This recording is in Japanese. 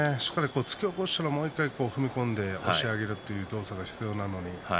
突き起こしても１回踏み込んで押し上げる動作が必要なんです。